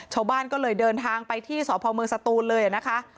ชาวบ้านก็เลยเดินทางไปที่สพเมืองสตูนเลยนะคะ